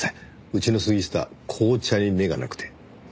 うちの杉下紅茶に目がなくて。